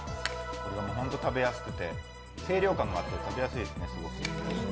これがホント食べやすくて清涼感があって食べやすいです。